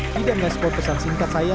tidak merespon pesan singkat saya